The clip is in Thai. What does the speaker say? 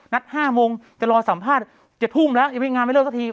๕โมงจะรอสัมภาษณ์จะทุ่มแล้วยังไม่งานไม่เลิกสักที